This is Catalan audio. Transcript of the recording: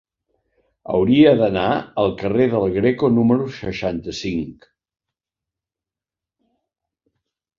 Hauria d'anar al carrer del Greco número seixanta-cinc.